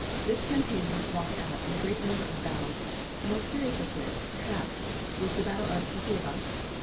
This campaign was fought out in a great number of battles, the most serious of which, perhaps, was the battle of Koziowa.